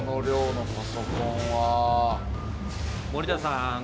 森田さん。